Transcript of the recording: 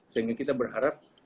sehingga kita berharap